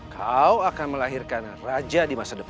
kau akan melahirkan raja di masa depan